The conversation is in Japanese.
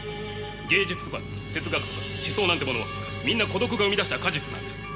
芸術とか哲学とか思想なんてものはみんな孤独が生み出した果実なんです。